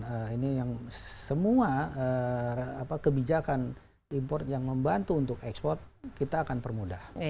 selama dengan ini yang semua kebijakan impor yang membantu untuk ekspor kita akan permudah